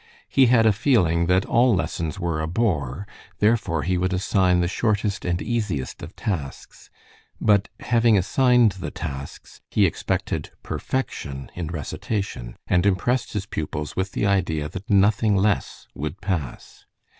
He had a feeling that all lessons were a bore, therefore he would assign the shortest and easiest of tasks. But having assigned the tasks, he expected perfection in recitation, and impressed his pupils with the idea that nothing less would pass.